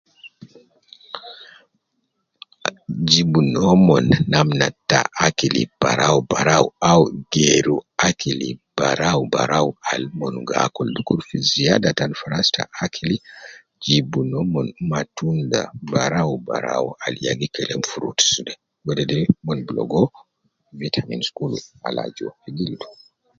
Jibu nomon namna ta akili barau barau, au geeru akili barau barau al mon gi akul dukur fi ziada tan fi ras ta akili, jibu nomon matunda barau barau al ya gi kelem fruits de, wedede mon gi ligo vitamins kul al aju uwo fi gildu